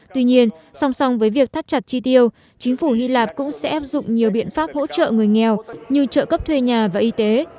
tuy nhiên song song với việc thắt chặt chi tiêu chính phủ hy lạp cũng sẽ áp dụng nhiều biện pháp hỗ trợ người nghèo như trợ cấp thuê nhà và y tế